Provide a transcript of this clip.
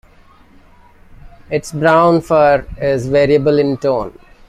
Its brown fur is variable in tone.